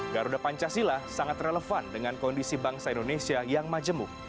garuda pancasila sangat relevan dengan kondisi bangsa indonesia yang majemuk